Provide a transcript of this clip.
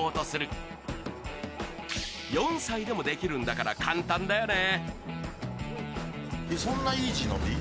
４歳でもできるんだから簡単だよね。